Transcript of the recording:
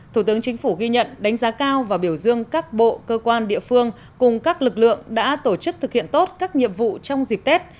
thủ tướng chính phủ ghi nhận đánh giá cao và biểu dương các bộ cơ quan địa phương cùng các lực lượng đã tổ chức thực hiện tốt các nhiệm vụ trong dịp tết